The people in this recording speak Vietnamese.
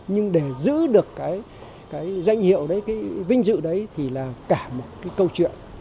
nhưng để giữ được cái danh hiệu đấy cái vinh dự đấy thì là cả một cái câu chuyện